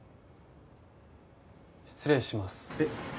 失礼します。